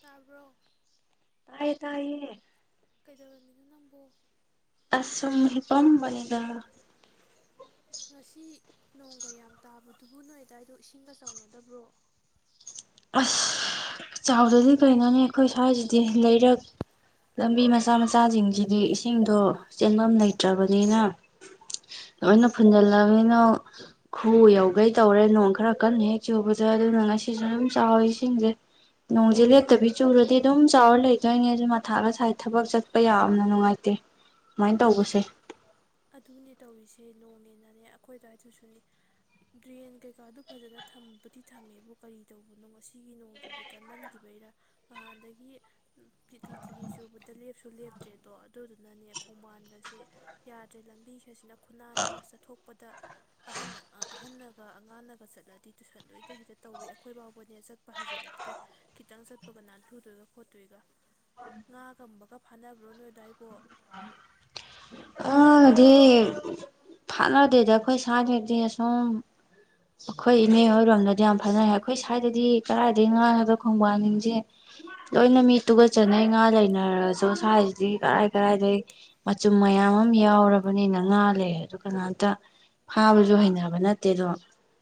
ꯇꯥꯕ꯭ꯔꯣ ꯇꯌꯦ ꯇꯥꯏꯌꯦ ꯀꯩꯗꯧꯔꯝꯃꯤꯅꯣ ꯅꯪꯕꯨꯣ ꯑꯁꯨꯝ ꯍꯤꯄꯝꯕꯅꯤꯗꯥ ꯉꯁꯤ ꯅꯣꯡꯒ ꯌꯥꯝ ꯇꯥꯕꯗꯨꯕꯨ ꯅꯣꯏꯗꯥꯏꯗꯣ ꯏꯁꯤꯡꯒ ꯆꯥꯎꯅꯗꯕ꯭ꯔꯣ ꯑꯁ ꯆꯥꯎꯗꯗꯤ ꯀꯩꯅꯣꯅꯤ ꯑꯩꯈꯣꯏ ꯁ꯭ꯋꯥꯏꯁꯤꯗꯤ ꯂꯩꯔꯛ ꯂꯝꯕꯤ ꯃꯆꯥ ꯃꯆꯥꯁꯤꯡꯁꯤꯗꯤ ꯏꯁꯤꯡꯗꯣ ꯆꯦꯟꯐꯝ ꯂꯩꯇ꯭ꯔꯕꯅꯤꯅ ꯂꯣꯏꯅ ꯐꯨꯟꯖꯜꯂꯅꯤꯅ ꯈꯨꯎ ꯌꯧꯈꯩ ꯇꯧꯔꯦ ꯅꯣꯡ ꯈꯔ ꯀꯟꯅ ꯍꯦꯛ ꯆꯨꯕꯗ ꯑꯗꯨꯅ ꯉꯁꯤꯁꯨ ꯑꯗꯨ ꯆꯥꯎꯋꯤ ꯏꯁꯤꯡꯁꯦ ꯅꯣꯡꯁꯦ ꯂꯦꯞꯇꯕꯤ ꯆꯨꯔꯗꯤ ꯑꯗꯨꯝ ꯆꯥꯎꯔ ꯂꯩꯗꯣꯏꯅꯦ ꯑꯗꯨ ꯃꯊꯥꯒ ꯁꯥꯏ ꯊꯕꯛ ꯆꯠꯄ ꯌꯥꯝꯅ ꯅꯨꯡꯉꯥꯏꯇꯦ ꯁꯨꯃꯥꯏꯅ ꯇꯧꯕꯁꯦ ꯑꯗꯨꯅꯦ ꯇꯧꯔꯤꯁꯦ ꯅꯣꯡꯅꯦ ꯅꯅꯦ ꯑꯩꯈꯣꯏꯗꯋꯥꯏꯗꯨꯁꯨꯅꯦ ꯗꯔꯦꯟ ꯀꯩꯀꯥꯗꯨ ꯐꯖꯕꯨꯗꯤ ꯊꯝꯃꯦꯕꯨ ꯀꯔꯤ ꯇꯧꯕꯅꯣ ꯉꯁꯤꯒꯤ ꯅꯣꯡꯗꯨꯗꯤ ꯀꯟꯃꯟꯈꯤꯕꯩꯔ ꯅꯍꯥꯟꯗꯒꯤ ꯇꯤꯂꯤ ꯆꯨꯕꯗ ꯂꯦꯞꯇ꯭ꯔꯦꯗꯣ ꯑꯗꯨꯗꯨꯅꯅꯦ ꯈꯣꯡꯕꯥꯟ ꯁꯤ ꯌꯥꯗ꯭ꯔꯦ ꯂꯝꯕꯤ ꯁꯤꯅ ꯈꯨꯟꯅꯥꯟ ꯑꯃ ꯆꯠꯊꯣꯛ ꯄꯗ ꯑꯍ ꯑꯍꯟꯅꯒ ꯑꯉꯥꯡꯅꯒ ꯆꯠꯂꯗꯤ ꯇꯨꯏꯁꯟ ꯂꯣꯏꯗ ꯍꯦꯛꯇ ꯇꯧꯋꯤ ꯑꯩꯈꯣꯏ ꯐꯥꯎꯕꯅꯦ ꯆꯠꯄ ꯍꯩꯖꯤꯜꯂꯛꯇ꯭ꯔꯦ ꯈꯤꯇꯪ ꯆꯠꯄꯒ ꯅꯥꯟꯊꯨꯗꯣꯏꯒ ꯈꯣꯠꯇꯣꯏꯒ ꯉꯥꯒꯨꯝꯕꯒ ꯐꯥꯅꯕ꯭ꯔꯣ ꯅꯣꯏꯗꯥꯏꯕꯣ? ꯉꯥꯒꯗꯤ ꯐꯥꯅꯗꯦꯗ ꯑꯩꯈꯣꯏ ꯁꯥꯁꯤꯗꯤ ꯑꯁꯨꯝ ꯑꯩꯈꯣꯏ ꯏꯅꯦ ꯍꯣꯏꯔꯣꯝꯗꯗꯤ ꯌꯥꯝ ꯐꯥꯅꯩ ꯑꯩꯈꯣꯏ ꯁ꯭ꯋꯥꯏꯗꯗꯤ ꯀꯗꯥꯏꯗꯒꯤ ꯉꯥꯅꯣꯗ ꯈꯣꯡꯕꯥꯟꯅꯤꯡꯁꯦ ꯂꯣꯏꯅ ꯃꯤ ꯇꯨꯒꯠꯆꯅꯩ ꯉꯥ ꯂꯩꯅꯔꯁꯨ ꯁ꯭ꯋꯥꯏꯁꯤꯗꯤ ꯀꯔꯥꯏ ꯀꯔꯥꯏꯗꯒꯤ ꯃꯆꯨꯝ ꯃꯌꯥꯝ ꯑꯃ ꯌꯥꯝ ꯌꯥꯎꯔꯕꯅꯤꯅ ꯉꯥ ꯂꯩꯔ꯭ꯖꯨ ꯑꯗꯨ ꯀꯅꯥꯝꯇ ꯐꯥꯕꯁꯨ ꯍꯩꯅꯕ ꯅꯠꯇꯦ ꯑꯗꯣ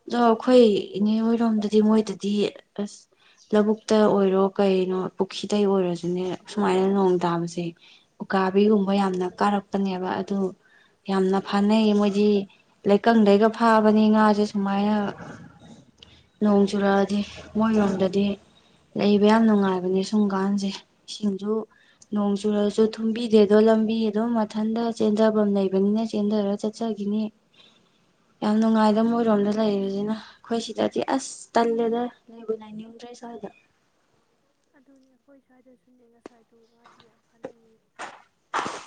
ꯑꯗꯣ ꯑꯩꯈꯣꯏ ꯏꯅꯦ ꯍꯣꯏꯔꯣꯝꯗꯗꯤ ꯃꯣꯏꯗꯗꯤ ꯑꯁ ꯂꯧꯕꯨꯛꯇ ꯑꯣꯏꯔꯣ ꯀꯩꯅꯣ ꯄꯨꯈ꯭ꯔꯤꯗ ꯑꯣꯏꯔꯣꯁꯨꯅꯦ ꯁꯨꯃꯥꯏꯅ ꯅꯣꯡ ꯇꯥꯕꯁꯦ ꯎꯀꯥꯕꯤꯒꯨꯝꯕ ꯌꯥꯝꯅ ꯀꯥꯔꯛꯄꯅꯦꯕ ꯑꯗꯨ ꯌꯥꯝꯅ ꯐꯥꯅꯩ ꯃꯣꯏꯗꯤ ꯂꯩꯀꯪꯗꯩꯒ ꯐꯥꯕꯅꯤ ꯉꯥꯁꯦ ꯁꯨꯃꯥꯏꯅ ꯅꯣꯡ ꯆꯨꯔꯛꯑꯗꯤ ꯃꯣꯏꯔꯣꯝꯗꯗꯤ ꯂꯩꯕ ꯌꯥꯝ ꯅꯨꯡꯉꯥꯏꯕꯅꯦ ꯁꯨꯝꯀꯥꯟꯁꯦ ꯏꯁꯤꯡꯁꯨ ꯅꯣꯡ ꯆꯨꯔꯁꯨ ꯊꯨꯝꯕꯤꯗꯦ ꯑꯗꯣ ꯂꯝꯕꯤ ꯑꯗꯨꯝ ꯃꯊꯟꯇ ꯆꯦꯟꯗꯐꯝ ꯂꯩꯕꯅꯤꯅ ꯆꯦꯟꯊꯔ ꯆꯠꯆꯈꯤꯅꯤ ꯌꯥꯝ ꯅꯨꯡꯉꯥꯏꯗ ꯃꯣꯏꯔꯣꯝꯗ ꯂꯩꯔꯤꯁꯤꯅ ꯑꯩꯈꯣꯏ ꯁꯤꯗꯗꯤ ꯑꯁ ꯇꯜꯂꯦꯗ ꯂꯩꯕꯨ ꯂꯩꯅꯤꯡꯗ꯭ꯔꯦ ꯁ꯭ꯋꯥꯏꯗ꯫ ꯑꯗꯨꯅꯦ ꯑꯩꯈꯣꯏ ꯁ꯭ꯋꯥꯏꯗꯁꯨꯅꯦ ꯉꯁꯥꯏꯗꯣ ꯉꯥꯗꯤ ꯌꯥꯝ ꯐꯅꯩꯌꯦ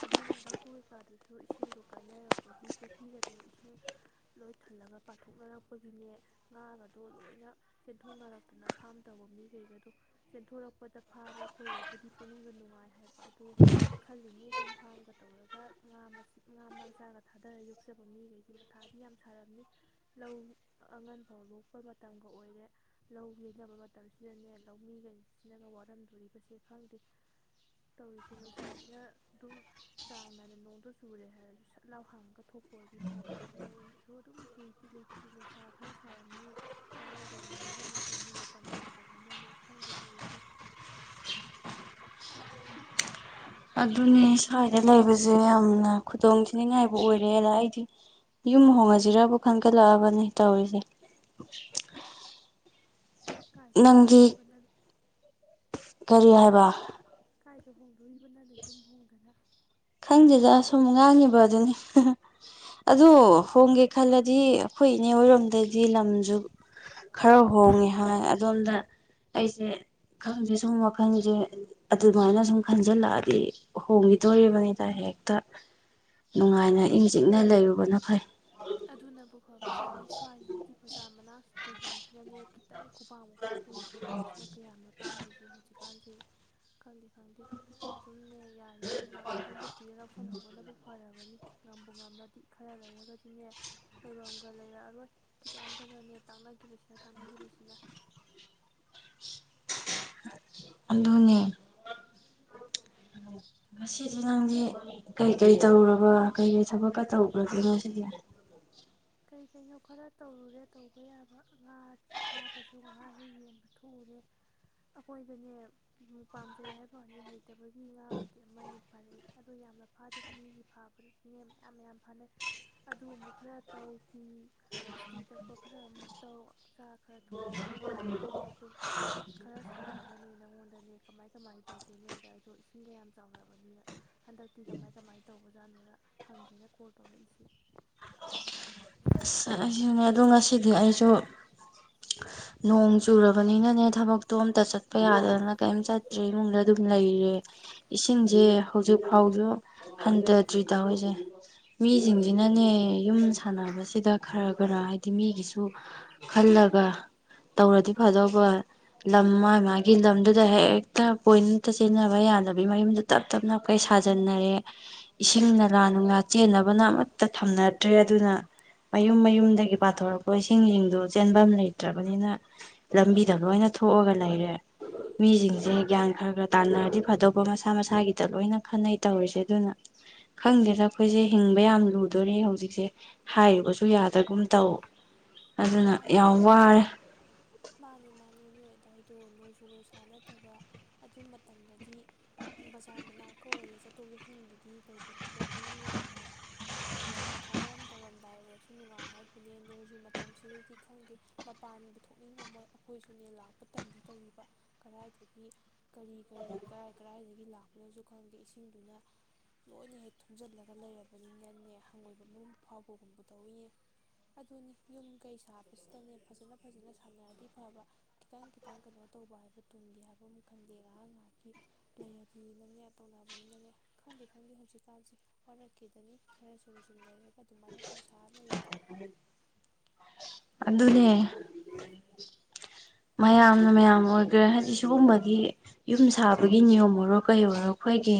ꯑꯗꯨꯝ ꯂꯕꯨꯨ ꯀꯩꯀꯥꯗꯨꯁꯨ ꯏꯁꯤꯡꯗꯣ ꯀꯥꯏꯅꯔꯛꯄꯒꯤ ꯄꯨꯈ꯭ꯔꯤꯒꯗꯣ ꯏꯁꯤꯡ ꯂꯣꯏ ꯊꯜꯂꯒ ꯄꯥꯊꯣꯛꯅꯔꯛꯄꯒꯤꯅꯦ ꯉꯥꯒꯗꯣ ꯂꯣꯏꯅ ꯆꯦꯟꯊꯣꯛꯅꯔꯛꯇꯅ ꯐꯥꯝ ꯇꯧꯕ ꯃꯤ ꯀꯩꯒꯗꯣ ꯆꯦꯟꯊꯣꯔꯛꯄꯗ ꯐꯥꯕ ꯑꯩꯈꯣꯏꯒꯤꯕꯨꯗꯤ ꯄꯨꯛꯅꯤꯡꯗ ꯅꯨꯡꯉꯥꯏ ꯍꯥꯏ ꯑꯗꯨ ꯈꯜꯂꯤꯅꯤ ꯁꯨꯝ ꯐꯥꯝꯒ ꯇꯧꯔꯒ ꯉꯥ ꯉꯥ ꯃꯆꯥꯒ ꯊꯥꯗꯔ ꯌꯣꯛꯆꯕ ꯃꯤꯈꯩꯗꯤ ꯃꯊꯥꯗꯤ ꯌꯥꯝ ꯁꯥꯔꯝꯅꯤ ꯂꯧ ꯑꯉꯟ ꯐꯥꯎ ꯂꯣꯛꯄ ꯃꯇꯝꯒ ꯑꯣꯏꯔꯦ ꯂꯧ ꯌꯩꯅꯕ ꯃꯇꯝꯁꯤꯗꯅꯦ ꯂꯧꯃꯤꯈꯩ ꯁꯤꯅꯒ ꯋꯥꯔꯝꯗꯣꯔꯤꯕꯁꯦ ꯈꯪꯗꯦ ꯇꯧꯔꯤꯁꯦ ꯅꯨꯡꯁꯥꯁꯤꯅ ꯑꯗꯨꯝ ꯆꯥꯡ ꯅꯥꯏꯅ ꯅꯣꯡꯗꯣ ꯆꯨꯔꯦ ꯍꯥꯏꯔꯁꯨ ꯁꯠ ꯂꯥꯎ ꯍꯥꯡꯉꯒ ꯊꯣꯛꯄ ꯑꯣꯏꯗꯤ ꯐꯕ ꯅꯣꯡꯁꯨ ꯑꯗꯨꯝ ꯆꯨꯏ ꯆꯤꯂꯤ ꯆꯤꯂꯤ ꯅꯨꯡꯁꯥ ꯈꯔ ꯁꯥꯔꯝꯅꯤ ꯈꯪꯍꯧꯗꯅ ꯅꯣꯡꯁꯤ ꯑꯃꯨꯛ ꯆꯨꯅꯤ ꯃꯇꯝ ꯅꯥꯏꯗꯕꯅꯤꯅꯅꯦ ꯈꯪꯗꯦ ꯇꯧꯔꯤꯁꯦ ꯑꯗꯨꯅꯦ ꯁ꯭ꯋꯥꯏꯗ ꯂꯩꯕꯁꯦ ꯌꯥꯝꯅ ꯈꯨꯗꯣꯡ ꯊꯤꯅꯤꯡꯉꯥꯏꯕꯨ ꯑꯣꯏꯔꯦꯗ ꯑꯩꯗꯤ ꯌꯨꯝ ꯍꯣꯡꯉꯁꯤꯔꯕꯨ ꯈꯟꯒꯠꯂꯛꯑꯕꯅꯦ ꯇꯧꯔꯤꯁꯦ ꯅꯪꯗꯤ ꯀꯔꯤ ꯍꯥꯏꯕ ꯀꯥꯏꯗ ꯍꯣꯪꯗꯣꯔꯤꯕꯥ [inaudible] [inaudible] [inaudible] ꯈꯪꯗꯦꯗ ꯁꯨꯝ ꯉꯥꯡꯉꯤꯕ ꯑꯗꯨꯅꯤ ꯑꯗꯨ ꯍꯣꯡꯒꯦ ꯈꯜꯂꯗꯤ ꯑꯩꯈꯣꯏ ꯏꯅꯦ ꯍꯔꯣꯝꯗꯗꯤ ꯂꯝꯁꯨ ꯈꯔ ꯍꯣꯡꯉꯦ ꯍꯥꯏ ꯑꯗꯣꯝꯗ ꯑꯩꯁꯦ ꯈꯪꯗꯦ ꯁꯨꯝ ꯋꯥꯈꯜꯁꯦ ꯑꯗꯨꯃꯥꯏꯅ ꯁꯨꯝ ꯈꯟꯖꯜꯂꯛꯑꯗꯤ ꯍꯣꯡꯈꯤꯗꯣꯔꯤꯕꯅꯤ꯫ ꯍꯦꯛꯇ ꯅꯨꯡꯉꯥꯏꯅ ꯑꯗꯨ ꯏꯪ ꯆꯤꯛꯅ ꯂꯩꯔꯨꯕꯅ ꯐꯩ꯫ ꯑꯗꯨꯅꯕꯨ ꯐꯕꯖꯥꯠꯅꯤ ꯁ꯭ꯋꯥꯏꯁꯤꯗꯗꯤ ꯄ꯭ꯔꯖꯥ ꯃꯅꯥꯛꯁꯤ ꯂꯝꯁꯤ ꯅꯅꯦ ꯈꯤꯇꯪ [unintelligible] ꯂꯝꯁꯤꯅ ꯀꯌꯥꯅꯣ ꯇꯥꯡꯉꯁꯦ ꯍꯧꯖꯤꯛ ꯀꯥꯟꯖꯤ ꯈꯪꯗꯦ ꯈꯪꯗꯦ ꯑꯗꯨꯝꯅꯦ ꯌꯥꯔꯤꯉꯩ ꯂꯝ ꯑꯍꯣꯡꯕ ꯊꯤꯔꯒꯕꯨ ꯂꯧꯁꯜꯍꯧꯕꯅꯕꯨ ꯐꯔꯕꯅꯤ꯫ ꯉꯝꯕꯨ ꯉꯝꯃꯗꯤ ꯈꯔ ꯂꯩꯔꯒꯗꯤꯅꯦ ꯂꯩꯐꯝꯒ ꯂꯩꯔꯛꯑꯔꯣꯏ ꯈꯤꯇꯪꯇꯅꯅꯦ ꯇꯥꯛꯅꯈꯤꯕꯁꯤꯅ ꯇꯥꯛꯅꯈꯤꯕꯁꯤꯅ꯫ ꯑꯗꯨꯅꯦ꯫ ꯉꯁꯤꯁꯦ ꯅꯪꯗꯤ ꯀꯩꯀꯩ ꯇꯧꯔꯕ ꯀꯩꯀꯩ ꯊꯕꯛꯀ ꯇꯧꯈ꯭ꯔꯒꯦꯅꯣ ꯉꯁꯤꯗꯤ? ꯀꯩ ꯀꯩꯅꯣ ꯈꯔ ꯇꯧꯔꯨꯔꯦ ꯇꯧꯕ ꯌꯥꯕ ꯉꯥ ꯐꯥꯕꯁꯨ ꯉꯍꯥ ꯍꯦꯛ ꯌꯦꯡꯕ ꯊꯣꯛꯎꯔꯦ ꯑꯩꯈꯣꯏꯗꯅꯦ ꯄꯥꯝꯖꯩ ꯍꯥꯏꯕ ꯋꯥꯅꯤ ꯍꯩꯇꯕꯒꯤ ꯉꯥꯕꯨꯗꯤ ꯑꯃꯅꯤ ꯐꯥꯔꯛꯏ ꯑꯗꯨ ꯌꯥꯝꯅ ꯐꯥꯗꯦ ꯃꯤꯒꯤ ꯐꯥꯕꯗꯁꯨꯅꯦ ꯃꯌꯥꯝ ꯌꯥꯝ ꯐꯥꯅꯩ ꯑꯗꯨ ꯑꯃꯨꯛ ꯈꯔ ꯇꯧ ꯄꯤ ꯏꯁꯇꯤ ꯇꯛꯄ ꯈꯔ ꯑꯃꯨꯛ ꯇꯧ ꯆꯥꯛ ꯈꯔ ꯊꯣꯡ ꯑꯗꯨꯅꯤ ꯉꯥꯏꯍꯥꯛ ꯑꯃꯨꯛꯇꯨꯝ ꯍꯧꯖꯤꯛ ꯈꯔ ꯁꯪꯕꯒꯅꯦ ꯅꯪꯉꯣꯟꯗꯅꯦ ꯀꯃꯥꯏ ꯀꯃꯥꯏ ꯇꯧꯒꯦ ꯅꯣꯣꯏꯗ ꯑꯩꯗꯣ ꯏꯁꯤꯡꯒ ꯌꯥꯝ ꯆꯥꯎꯔꯕꯅꯤꯅ ꯍꯟꯗꯛꯇꯤ ꯀꯃꯥꯏ ꯀꯃꯥꯏ ꯇꯧꯕꯖꯥꯠꯅꯣꯅ ꯍꯪꯒꯦꯅ ꯀꯣꯜ ꯇꯧꯔꯛꯏꯁꯦ꯫ ꯑꯁ ꯑꯩꯁꯤꯡꯅꯦ ꯑꯗꯣ ꯉꯁꯤꯗꯤ ꯑꯩꯁꯨ ꯅꯣꯡ ꯆꯨꯔꯕꯅꯤꯅꯅꯦ ꯊꯕꯛꯇꯣ ꯑꯃꯝꯇ ꯆꯠꯄ ꯌꯥꯗꯗꯅ ꯀꯔꯤꯝ ꯆꯠꯇ꯭ꯔꯦ ꯏꯃꯨꯡꯗ ꯑꯗꯨꯝ ꯂꯩꯔꯦ ꯏꯁꯤꯡꯁꯦ ꯍꯧꯖꯤꯛ ꯐꯥꯎꯁꯨ ꯍꯟꯊꯗ꯭ꯔꯤ ꯇꯧꯔꯤꯁꯦ ꯃꯤꯁꯤꯡꯁꯤꯅꯅꯦ ꯌꯨꯝ ꯁꯥꯟꯅꯕꯁꯤꯗ ꯈꯔ ꯈꯔ ꯍꯥꯏꯗꯤ ꯃꯤꯒꯤꯁꯨ ꯈꯜꯂꯒ ꯇꯧꯔꯗꯤ ꯐꯗꯧꯕ ꯂꯝ ꯃꯥ ꯃꯥꯒꯤ ꯂꯝꯗꯨꯗ ꯍꯦꯛꯇ ꯄꯣꯏꯟꯇ ꯆꯦꯟꯅꯕ ꯌꯥꯗꯕꯤ ꯃꯌꯨꯝꯗ ꯇꯞ ꯇꯞꯅꯞ ꯀꯩ ꯁꯥꯖꯟꯅꯔꯦ ꯏꯁꯤꯡ ꯅꯂꯥ ꯅꯨꯡꯂꯥ ꯆꯦꯟꯅꯕꯅ ꯑꯃꯠꯇ ꯊꯝꯅꯗ꯭ꯔꯦ ꯑꯗꯨꯅ ꯃꯌꯨꯝ ꯃꯌꯨꯝꯗꯒꯤ ꯄꯥꯊꯣꯔꯛꯄ ꯏꯁꯤꯡꯁꯤꯡꯗꯣ ꯆꯦꯟꯐꯝ ꯂꯩꯇ꯭ꯔꯕꯅꯤꯅ ꯂꯝꯕꯤꯗ ꯂꯣꯏꯅ ꯊꯣꯛꯑꯒ ꯂꯩꯔꯦ ꯃꯤꯁꯤꯡꯁꯦ ꯒ꯭ꯌꯥꯟ ꯈꯔ ꯈꯔ ꯇꯥꯟꯅꯔꯗꯤ ꯐꯗꯧꯕ ꯃꯁꯥ ꯃꯁꯥꯒꯤꯗ ꯂꯣꯏꯅ ꯈꯟꯅꯩ ꯇꯧꯔꯤꯁꯦ ꯑꯗꯨꯅ ꯈꯪꯗꯦꯗ ꯑꯩꯈꯣꯏꯁꯦ ꯍꯤꯡꯕ ꯌꯥꯝ ꯂꯨꯗꯣꯔꯤ ꯍꯧꯖꯤꯛꯁꯦ ꯍꯥꯏꯔꯤꯕꯁꯨ ꯁꯨ ꯌꯥꯗꯒꯨꯝ ꯇꯧ ꯃꯥꯅꯤ ꯌꯥꯝ ꯋꯥꯔꯦ ꯃꯥꯅꯤ ꯅꯣꯏ ꯑꯗꯥꯏ ꯑꯗꯣ ꯅꯣꯡꯖꯨ ꯅꯨꯡꯁꯥ ꯅꯠꯇꯕ ꯑꯗꯨ ꯃꯇꯝꯗꯗꯤ ꯕꯖꯥꯔ ꯃꯅꯥꯀ ꯑꯣꯏꯔꯦ ꯆꯠꯊꯣꯛ ꯆꯠꯁꯤꯟꯒꯤꯗꯤ ꯂꯩ ꯈꯣꯠꯄ ꯄꯨꯛꯅꯤꯡꯗ ꯅꯨꯡꯉꯥꯏ ꯀꯩꯒꯨꯝꯕ ꯊꯕꯛ ꯑꯃ ꯇꯧꯔꯝꯗꯥꯏ ꯑꯣꯏꯔꯁꯨ ꯅꯨꯡꯉꯥꯏ ꯍꯥꯏꯕꯅꯦ ꯅꯣꯡꯁꯨ ꯃꯇꯝꯁꯤꯗꯗꯤ ꯈꯪꯗꯦ ꯃꯄꯥꯟꯕꯨ ꯊꯣꯛꯅꯤꯡꯉꯝꯃꯣꯏ ꯑꯩꯈꯣꯏꯁꯨꯅꯦ ꯂꯥꯛꯄ ꯇꯜꯂꯤ ꯇꯧꯔꯤꯕ ꯀꯗꯥꯏꯗꯒꯤ ꯀꯔꯤ ꯀꯔꯤ ꯀꯔꯥꯏ ꯀꯔꯥꯏꯗꯒꯤ ꯂꯥꯛꯄꯅꯣꯁꯨ ꯈꯪꯗꯦ ꯏꯁꯤꯡꯗꯨꯅ ꯂꯣꯏꯅ ꯍꯦꯛ ꯊꯨꯝꯖꯤꯜꯂꯒ ꯂꯩꯔꯕꯅꯤꯅꯅꯦ ꯍꯪꯒꯣꯏꯕ ꯃꯑꯣꯡ ꯐꯥꯎꯕꯒꯨꯝꯕ ꯇꯧꯋꯤꯅꯦ ꯑꯗꯨꯅꯤ ꯌꯨꯝ ꯀꯩ ꯁꯥꯕꯁꯤꯗꯅꯦ ꯐꯖꯅ ꯐꯖꯅ ꯁꯥꯟꯅꯔꯗꯤ ꯐꯕ ꯈꯤꯇꯪ ꯈꯤꯇꯪ ꯀꯩꯅꯣ ꯇꯧꯕ ꯍꯥꯏꯕ ꯇꯨꯡꯒꯤ ꯍꯥꯏꯕ ꯑꯃ ꯈꯪꯗꯦ ꯉꯥꯏꯍꯥꯛ ꯉꯥꯏꯍꯥꯛꯀꯤ ꯂꯩꯔꯗꯤꯅꯅꯦ ꯇꯧꯅꯕꯅꯤꯅꯅꯦ ꯈꯪꯗꯦ ꯈꯪꯗꯦ ꯍꯧꯖꯤꯛꯀꯥꯟꯁꯦ ꯋꯥꯔꯛꯀꯦꯗꯅꯤ ꯈꯔ ꯁꯨꯝ ꯁꯨꯝ ꯂꯩꯔꯒ ꯑꯗꯨꯃꯥꯏꯅ ꯁꯨꯝ ꯁꯥꯔ ꯂꯩꯔꯗꯤ ꯑꯗꯨꯅꯦ ꯃꯌꯥꯝꯅ ꯃꯌꯥꯝ ꯑꯣꯏꯈ꯭ꯔꯦ ꯍꯥꯏꯗꯤ ꯁꯤꯒꯨꯝꯕꯒꯤ ꯌꯨꯝ ꯁꯥꯕꯒꯤ ꯅꯤꯌꯣꯝ ꯑꯣꯏꯔꯣ ꯀꯩ ꯑꯣꯏꯔꯣ ꯑꯩꯈꯣꯏꯒꯤ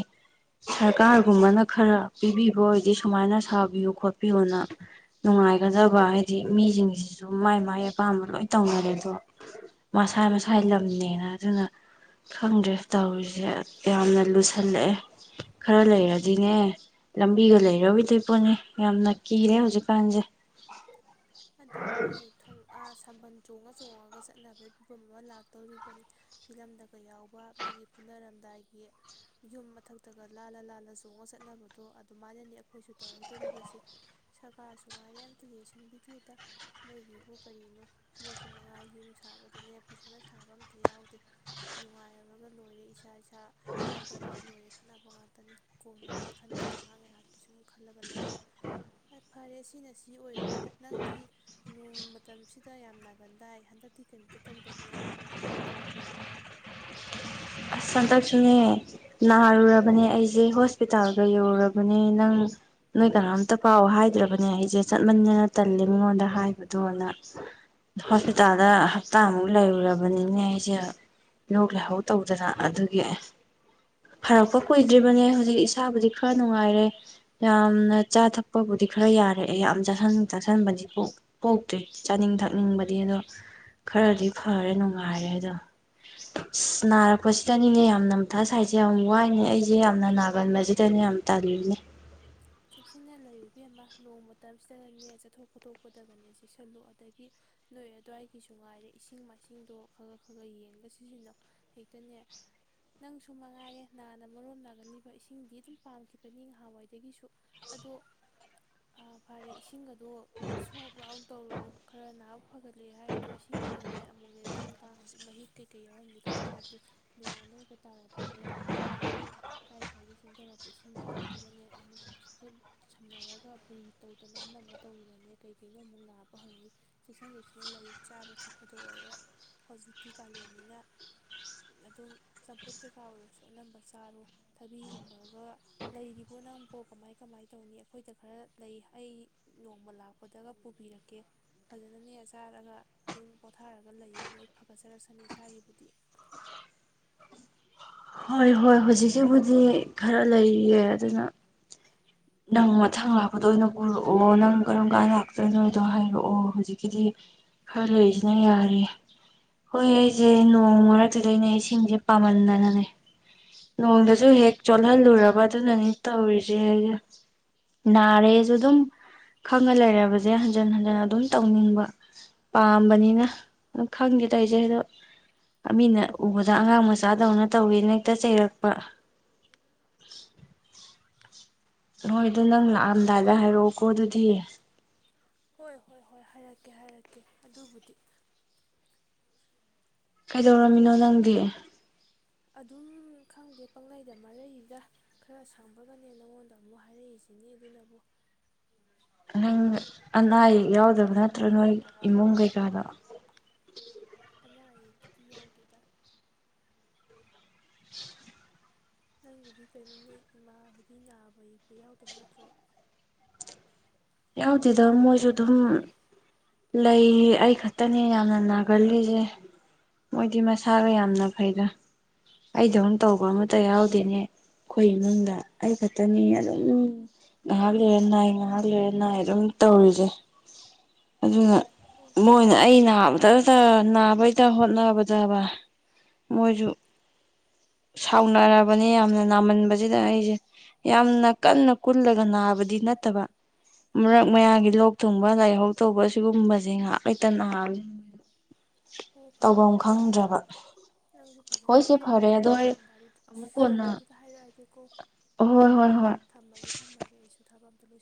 ꯁꯔꯀꯥꯔꯒꯨꯝꯕꯅ ꯈꯔ ꯄꯤꯕꯤꯕ ꯑꯣꯏꯗꯤ ꯁꯨꯃꯥꯏꯅ ꯁꯥꯕꯤꯌꯨ ꯈꯣꯠꯄꯤꯌꯨꯅ ꯅꯨꯡꯉꯥꯏꯒꯗꯕ ꯍꯥꯏꯗꯤ ꯃꯤꯁꯤꯡꯁꯤꯁꯨ ꯃꯥꯏ ꯃꯥꯏ ꯑꯄꯥꯝꯕ ꯂꯣꯏ ꯇꯧꯅꯔꯦ ꯑꯗꯣ ꯃꯁꯥ ꯃꯁꯥꯏ ꯂꯝꯅꯦꯅ ꯑꯗꯨꯅ ꯈꯪꯗ꯭ꯔꯦ ꯇꯧꯔꯤꯁꯦ ꯌꯥꯝꯅ ꯂꯨꯁꯜꯂꯛꯑꯦ ꯈꯔ ꯂꯩꯔꯗꯤꯅꯦ ꯂꯝꯕꯤꯒ ꯂꯩꯔꯛ ꯑꯣꯏꯗꯣꯏ ꯄꯣꯠꯅꯤ ꯌꯥꯝꯅ ꯀꯤꯔꯦ ꯍꯧꯖꯤꯛꯀꯥꯟꯁꯦ ꯑꯗꯨꯅꯦ ꯊꯨꯡ ꯊꯥꯕꯜ ꯆꯣꯡꯉ ꯆꯣꯡꯉꯒ ꯆꯠꯅꯕꯒꯤ ꯐꯤꯕꯝ ꯑꯃ ꯂꯥꯛꯇꯧꯔꯤꯕꯅꯤ ꯐꯤꯂꯝꯗꯒ ꯌꯥꯎꯕ ꯃꯤꯒꯤ ꯐꯨꯅꯔꯝꯗꯥꯏꯒꯤ ꯌꯨꯝ ꯃꯊꯛꯇꯒ ꯂꯥꯜꯂ ꯂꯥꯜꯂ ꯆꯣꯡꯉ ꯆꯠꯅꯕꯗꯣ ꯑꯗꯨꯃꯥꯏꯅꯅꯤ ꯑꯩꯈꯣꯏꯁꯨ ꯇꯧꯔꯛꯇꯣꯔꯤꯕꯁꯦ ꯁꯔꯀꯥꯔꯁꯨ ꯉꯥꯏꯔꯦ ꯑꯝꯇ ꯌꯦꯡꯁꯤꯟꯕꯤ ꯏꯗ ꯃꯣꯏꯒꯤꯕꯨ ꯀꯔꯤꯅꯣ ꯃꯣꯏꯁꯨ ꯃꯉꯥ ꯌꯨꯝ ꯁꯥꯕꯗꯅꯦ ꯐꯖꯅ ꯁꯥꯕ ꯑꯝꯇ ꯌꯥꯎꯗꯦ ꯅꯨꯡꯉꯥꯏꯔꯝꯃꯒ ꯂꯣꯏꯔꯦ ꯏꯆꯥ ꯗ ꯀꯩꯅꯣ ꯇꯧꯔꯒ ꯂꯣꯏꯔꯦ ꯈꯠꯅꯕ ꯉꯥꯛꯇ ꯀꯣꯟꯅꯒꯤ ꯈꯟꯗꯦ ꯉꯥꯏꯍꯥꯛ ꯉꯥꯏꯍꯥꯛꯀꯤ ꯁꯨꯝ ꯈꯜꯂꯒ ꯂꯩ ꯐꯔꯦ ꯁꯤꯅ ꯁꯤ ꯑꯣꯏꯒ꯭ꯔꯦ ꯅꯪꯗꯤ ꯅꯣꯡ ꯃꯇꯝꯁꯤꯗ ꯌꯥꯝ ꯅꯥꯒꯟꯗꯥꯏ ꯍꯟꯗꯛꯇꯤ ꯀꯔꯤꯝꯇ ꯇꯧꯗꯕ꯭ꯔꯣ ꯀꯃꯥꯏ ꯀꯃꯥꯏꯅ ꯇꯧꯔꯤꯒꯦꯅꯦ ꯍꯟꯗꯛꯁꯨꯅꯦ ꯅꯥꯔꯨꯔꯕꯅꯦ ꯑꯩꯁꯦ ꯍꯣꯁꯄꯤꯇꯥꯜꯒ ꯌꯧꯔꯨꯔꯕꯅꯦ ꯅꯪ ꯅꯣꯏ ꯀꯅꯥꯝꯇ ꯄꯥꯎ ꯍꯥꯏꯗ꯭ꯔꯕꯅꯦ ꯑꯩꯁꯦ ꯆꯠꯃꯟꯗꯅ ꯇꯜꯂꯦ ꯃꯤꯉꯣꯟꯗ ꯍꯥꯏꯕꯗꯣꯅ ꯍꯣꯁꯄꯤꯇꯥꯜꯗ ꯍꯞꯇꯥꯃꯨꯛ ꯂꯩꯔꯨꯔꯕꯅꯤꯅꯦ ꯑꯩꯁꯦ ꯂꯣꯛ ꯂꯥꯏꯍꯧ ꯇꯧ ꯗꯅ ꯑꯗꯨꯒꯤ ꯐꯔꯛꯄ ꯀꯨꯏꯗ꯭ꯔꯤꯕꯅꯦ ꯍꯧꯖꯤꯛ ꯏꯁꯥꯕꯨꯗꯤ ꯈꯔ ꯅꯨꯡꯉꯥꯏꯔꯦ ꯌꯥꯝꯅ ꯆꯥ ꯊꯛꯄꯕꯨꯗꯤ ꯈꯔ ꯌꯥꯔꯛꯑꯦ ꯌꯥꯝ ꯆꯥꯁꯤꯟ ꯆꯥꯥꯁꯟꯕꯗꯤ ꯄꯣꯛꯇꯦ ꯆꯥꯅꯤꯡ ꯊꯛꯅꯤꯡꯕꯗꯤ ꯑꯗꯣ ꯈꯔꯗꯤ ꯐꯔꯦ ꯅꯨꯡꯉꯥꯏꯔꯦ ꯑꯗꯣ ꯑ ꯅꯥꯔꯛꯄ ꯄ ꯁꯤꯗꯅꯤꯅꯦ ꯌꯥꯝꯅ ꯃꯊꯥ ꯁꯥꯏꯁꯦ ꯌꯥꯝ ꯋꯥꯏꯅꯦ ꯑꯩꯁꯦ ꯌꯥꯝꯅ ꯅꯥꯒꯟꯕꯁꯤꯗꯅꯤꯅꯦ ꯌꯥꯝ ꯇꯜꯂꯤꯁꯦ ꯆꯦꯛꯁꯤꯟꯅ ꯂꯩꯔꯨ ꯏꯕꯦꯝꯃ ꯅꯣꯡ ꯃꯇꯝꯁꯤꯗꯒꯅꯦ ꯆꯠꯊꯣꯛ ꯈꯣꯇꯣꯛꯄꯗꯒꯅꯦ ꯆꯦꯛꯁꯤꯜꯂꯨ ꯑꯗꯒꯤ ꯅꯣꯏ ꯑꯗꯨꯋꯥꯏꯒꯤꯁꯨ ꯉꯥꯏꯔꯦ ꯏꯁꯤꯡ ꯃꯥꯏꯁꯤꯡꯗꯣ ꯈ ꯈ ꯈ ꯈ ꯌꯦꯡꯒ ꯁꯤꯖꯤꯟꯅꯧ ꯍꯦꯛꯇꯅꯦ ꯅꯪꯁꯨ ꯃꯉꯥꯏꯔꯦ ꯅꯥꯅ ꯃꯔꯣꯝ ꯅꯥꯒꯜꯂꯤꯕ ꯏꯁꯤꯡꯗꯤ ꯑꯗꯨꯝ ꯄꯥꯝꯈꯤꯕꯅꯤ ꯅꯍꯥꯟꯋꯥꯏꯗꯒꯤꯁꯨ [inaudible] ꯑꯗꯣ ꯐꯔꯦ ꯏꯁꯤꯡꯒꯗꯣ ꯁꯣꯛ ꯂꯥꯎ ꯇꯧꯔꯨꯅꯨ ꯈꯔ ꯅꯍꯥꯛ ꯐꯒꯠꯂꯦ ꯍꯥꯏꯔꯤꯗꯣ ꯏꯁꯤꯡꯗꯨꯗꯅꯦ ꯑꯃꯨꯛꯅꯦ ꯇꯤꯟ ꯀꯥꯡ ꯍꯧꯖꯤꯛ ꯃꯍꯤꯛ ꯀꯩꯀꯩ ꯌꯥꯎꯔꯝꯅꯤ ꯈꯪꯕ ꯅꯠꯇꯦ ꯅꯣꯡ ꯑꯅꯧꯕ ꯇꯥꯔꯛꯄꯅꯦ ꯑꯗꯒꯤ ꯀꯥꯏ ꯀꯥꯏꯗꯒꯤ ꯆꯦꯟꯊꯔꯛꯄ ꯏꯁꯤꯡ ꯃꯌꯥꯝꯗꯨꯒꯅꯦ ꯑꯃꯨꯛ ꯁꯣꯛꯆ ꯁꯝꯅꯔꯒ ꯐꯨꯔꯤ ꯇꯧꯗꯅ ꯑꯃ ꯑꯃ ꯇꯧꯗꯅꯅꯦ ꯀꯩ ꯀꯩꯅꯣ ꯑꯃꯨꯛ ꯅꯥꯕ ꯍꯧꯅꯤ ꯆꯦꯛꯁꯤꯟ ꯆꯦꯛꯁꯤꯟꯅ ꯂꯩꯌꯨ ꯆꯥꯕ ꯊꯛꯄꯗ ꯑꯣꯏꯔꯣ ꯍꯧꯖꯤꯛꯇꯤ ꯀꯥꯂꯦꯟꯅꯤꯅ ꯑꯗꯨꯝ ꯆꯝꯐꯨꯠ ꯀꯩꯀꯥ ꯑꯣꯏꯔꯁꯨ ꯑꯅꯝꯕ ꯆꯥꯔꯣ ꯊꯕꯤꯒꯨꯝꯕꯒ ꯂꯩꯔꯤꯕꯣ ꯅꯪ ꯍꯣ ꯀꯃꯥꯏ ꯀꯃꯥꯏ ꯇꯧꯅꯤ ꯑꯩꯈꯣꯏꯗ ꯈꯔ ꯂꯩ ꯑꯩ ꯅꯣꯡꯃ ꯂꯥꯛꯄꯗꯒ ꯄꯨꯕꯤꯔꯛꯀꯦ ꯐꯖꯅꯅꯦ ꯆꯥꯔꯒ ꯑꯗꯨꯝ ꯄꯣꯊꯥꯔꯒ ꯂꯩꯌꯨ ꯂꯩꯌꯨ ꯐꯒꯠꯆꯔꯛꯁꯅꯤ ꯏꯁꯥꯒꯤꯕꯨꯗꯤ ꯍꯣꯏ ꯍꯣꯏ ꯍꯧꯖꯤꯛꯁꯤꯕꯨꯗꯤ ꯈꯔ ꯂꯩꯔꯤꯌꯦ ꯑꯗꯨꯅ ꯅꯪ ꯃꯊꯪ ꯂꯥꯛꯄꯗ ꯑꯣꯏꯅ ꯄꯨꯔꯛꯑꯣ ꯅꯪ ꯀꯔꯝ ꯀꯥꯟ ꯂꯥꯛꯇꯣꯏꯅꯣꯗꯣ ꯍꯥꯏꯔꯛꯑꯣ ꯍꯧꯖꯤꯛꯀꯤꯗꯤ ꯈꯔ ꯂꯩꯔꯤꯁꯤꯅ ꯌꯥꯔꯤ ꯍꯣꯏ ꯑꯩꯁꯦ ꯅꯣꯡ ꯃꯔꯛꯇꯨꯗꯩꯅꯦ ꯏꯁꯤꯡꯁꯦ ꯄꯥꯝꯃꯟꯗꯅꯅꯦ ꯅꯣꯡꯗꯁꯨ ꯍꯦꯛ ꯆꯣꯠꯍꯜꯂꯨꯔꯕ ꯑꯗꯨꯅꯅꯤ ꯇꯧꯔꯤꯁꯦ ꯅꯥꯔꯦꯁꯨ ꯑꯗꯨꯝ ꯈꯪꯉ ꯂꯩꯔꯕꯁꯦ ꯍꯟꯖꯟ ꯍꯟꯖꯟ ꯑꯗꯨꯝ ꯇꯧꯅꯤꯡꯕ ꯄꯥꯝꯕꯅꯤꯅ ꯑꯗꯨꯝ ꯈꯪꯗꯦ ꯏꯆꯂ ꯑꯗꯣ ꯃꯤꯅ ꯎꯕꯗ ꯑꯉꯥꯡ ꯃꯆꯥꯗꯧꯅ ꯇꯧꯋꯦꯅ ꯇ ꯆꯩꯔꯛꯄ ꯅꯣꯏ ꯑꯗꯨ ꯅꯪ ꯂꯥꯛꯑꯝꯗꯥꯏꯗ ꯍꯥꯏꯔꯛꯑꯣꯀꯣ ꯑꯗꯨꯗꯤ ꯍꯣꯏ ꯍꯣꯏ ꯍꯣꯏ ꯍꯥꯏꯔꯛꯀꯦ ꯍꯥꯏꯔꯛꯀꯦ ꯑꯗꯨꯕꯨꯗꯤ ꯀꯩꯗꯧꯔꯝꯃꯤꯅꯣ ꯅꯪꯗꯤ ꯑꯗꯨꯝ ꯈꯪꯗꯦ ꯄꯪꯪꯂꯩꯗ ꯃꯔꯩꯗ ꯈꯔ ꯁꯪꯕꯒꯅꯦ ꯅꯪꯉꯣꯟꯗ ꯑꯃꯨꯛ ꯍꯥꯏꯔꯛꯏꯁꯤꯅꯤ ꯑꯗꯨꯅꯕꯨ ꯅꯪ ꯑꯅꯥ ꯑꯌꯦ ꯌꯥꯎꯗꯕ ꯅꯠꯇ꯭ꯔ ꯅꯣꯏ ꯏꯃꯨꯡ ꯀꯩꯀꯥꯗꯣ ꯑꯅꯥ ꯑꯌꯦꯛꯀꯤꯗꯤ ꯌꯥꯎꯗꯦꯗ ꯅꯪꯒꯤꯗꯤ ꯀꯩꯅꯣ ꯅꯣꯏ ꯏꯃꯥ ꯍꯣꯏꯗꯤ ꯅꯥꯕ ꯌꯦꯛꯄ ꯌꯥꯎꯗꯕ ꯅꯠꯇ꯭ꯔꯣ ꯌꯥꯎꯗꯦꯗ ꯃꯣꯏꯁꯨ ꯑꯗꯨꯝ ꯂꯩ ꯑꯩ ꯈꯛꯇꯅꯦ ꯌꯥꯝꯅ ꯅꯥꯒꯜꯂꯤꯁꯦ ꯃꯣꯏꯗꯤ ꯃꯁꯥꯒ ꯌꯥꯝꯅ ꯐꯩꯗ ꯑꯩꯗꯧ ꯇꯧꯕ ꯑꯃꯇ ꯌꯥꯎꯗꯦꯅꯦ ꯑꯩꯈꯣꯏ ꯏꯃꯨꯡꯗ ꯑꯩ ꯈꯛꯇꯅꯤ ꯑꯗꯨꯝ ꯉꯥꯏꯍꯥꯛ ꯂꯩꯔ ꯅꯥꯏ ꯉꯥꯏꯍꯥꯛ ꯂꯩꯔ ꯅꯥꯏ ꯑꯗꯨꯝ ꯇꯧꯔꯤꯁꯦ ꯑꯗꯨꯅ ꯍꯣ ꯃꯣꯏꯅ ꯑꯩꯅ ꯍꯇꯇ ꯅꯥꯕꯩꯗ ꯍꯣꯠꯅꯕꯗꯕ ꯃꯣꯏꯁꯨ ꯁꯥꯎꯅꯔꯕꯅꯤ ꯌꯥꯝꯅ ꯅꯥꯃꯟꯕꯁꯤꯗ ꯑꯩꯁꯦ ꯌꯥꯝꯅ ꯀꯟꯅ ꯀꯨꯜꯂꯒ ꯅꯥꯕꯗꯤ ꯅꯠꯇꯕ ꯃꯔꯛ ꯃꯌꯥꯒꯤ ꯂꯣꯛ ꯊꯨꯡꯕ ꯂꯥꯏꯍꯧ ꯇꯧꯕ ꯁꯤꯒꯨꯝꯕꯁꯦ ꯉꯥꯏꯍꯥꯛ ꯂꯩꯩꯇ ꯉꯍꯥ ꯑꯣ ꯐꯔꯦ ꯐꯔꯦ ꯑꯗꯨꯗꯤ ꯅꯪꯁꯨ ꯍꯣꯏ ꯐꯖꯅ ꯁꯤ ꯐꯔꯦ ꯄꯣꯊꯥꯔꯔꯣ ꯑꯗꯣ ꯑꯩ ꯂꯥꯛꯑꯝꯗꯥꯏꯗꯨꯗ ꯑꯃꯨꯛ ꯀꯣꯟꯅ ꯂꯥꯛꯑꯝꯗꯥꯏꯗꯨꯗ ꯍꯥꯏꯔꯛꯑꯒꯦꯀꯣ ꯍꯣꯏ ꯍꯣꯏ ꯍꯣꯏ ꯊꯝꯃꯒꯦ ꯊꯝꯃꯒꯦ ꯑꯩꯁꯨ ꯊꯥꯕꯝ ꯆꯂꯣ ꯆꯂꯣ